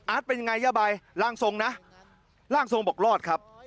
เป็นยังไงย่าใบร่างทรงนะร่างทรงบอกรอดครับ